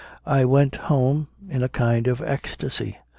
I went home in a kind of ecstasy.